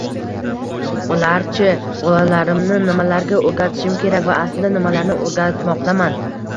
Ularchi? Bolalarimni nimalarga o‘rgatishim kerak va aslida nimalarni o‘rgatmoqdaman”